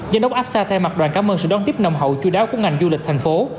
giám đốc apsa thay mặt đoàn cám ơn sự đón tiếp nồng hậu chú đáo của ngành du lịch thành phố